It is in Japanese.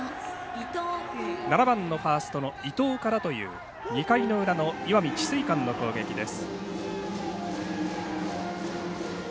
７番ファーストの伊藤からという２回の裏の石見智翠館の攻撃です。